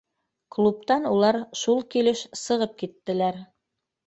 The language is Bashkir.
Клубтан улар шул килеш сығып киттеләр.